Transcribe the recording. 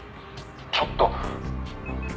「ちょっと！」